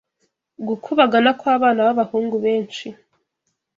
gukubagana kw’abana b’abahungu benshi